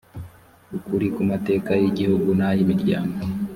ukuri ku mateka y igihugu n ay imiryango